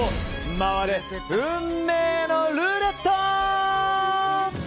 回れ、運命のルーレット！